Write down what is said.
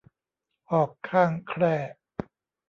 หอกข้างแคร่